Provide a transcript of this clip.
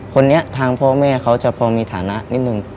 คนนี้ทางพ่อแม่เขาจะพอมีฐานะนิดนึง